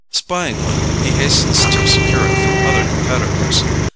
Spying one, he hastens to secure it from other competitors.